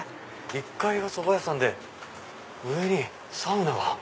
１階がそば屋さんで上にサウナが。